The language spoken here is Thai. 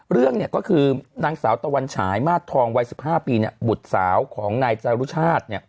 เรื่องก็คือนางสาวตะวันฉายมาสทองวัย๑๕ปีบุตรสาวของนายจารุชาติ